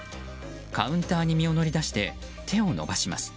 カウンターに身を乗り出して手を伸ばします。